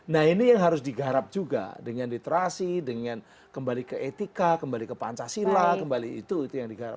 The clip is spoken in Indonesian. nah ini yang harus digarap juga dengan literasi dengan kembali ke etika kembali ke pancasila kembali itu yang digarap